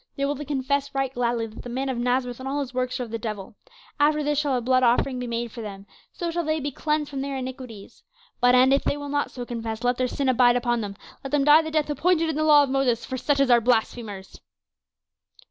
They will then confess right gladly that the man of Nazareth and all his works are of the devil. After this shall a blood offering be made for them; so shall they be cleansed from their iniquities. But and if they will not so confess, let their sin abide upon them; let them die the death appointed in the law of Moses for such as are blasphemers."